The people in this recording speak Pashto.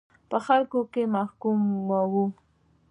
په خلکو کې محکوموي.